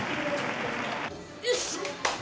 よし！